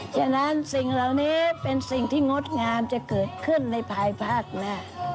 ฉะนั้นสิ่งเหล่านี้เป็นสิ่งที่งดงามจะเกิดขึ้นในภายภาคหน้า